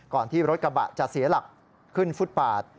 ที่รถกระบะจะเสียหลักขึ้นฟุตปาด